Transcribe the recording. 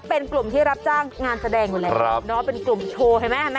เป็นกลุ่มที่รับจ้างงานแสดงหมดเลยเนอะเนอะเป็นกลุ่มโชว์เห็นไหม